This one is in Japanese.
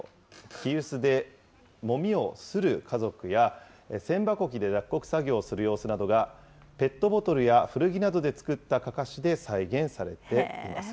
木臼でもみをする家族や、千歯こきで脱穀作業をする様子などがペットボトルや古着などで作ったかかしで再現されています。